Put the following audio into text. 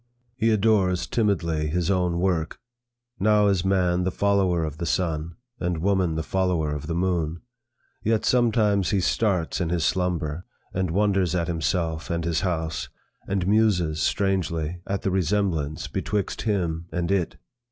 He adores timidly his own work. Now is man the follower of the sun, and woman the follower of the moon. Yet sometimes he starts in his slumber, and wonders at himself and his house, and muses strangely at the resemblance betwixt him and it.